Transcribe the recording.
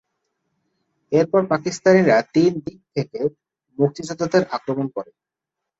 এরপর পাকিস্তানিরা তিন দিক থেকে মুক্তিযোদ্ধাদের আক্রমণ করে।